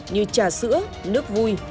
như trà sữa nước vui